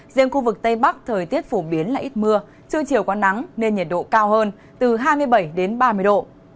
riêng khu vực tây bắc thời tiết phổ biến là ít mưa trưa chiều có nắng nên nhiệt độ cao hơn từ hai mươi bảy đến ba mươi độ